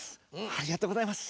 ありがとうございます。